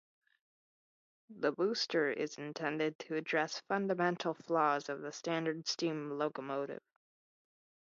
The booster is intended to address fundamental flaws of the standard steam locomotive.